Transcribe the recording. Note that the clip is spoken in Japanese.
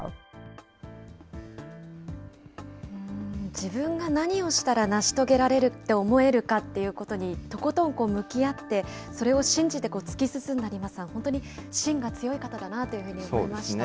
自分が何をしたら成し遂げられるって思えるかってことに、とことん向き合って、それを信じて突き進んだリマさん、本当にしんが強い方だなというふうに思いましたね。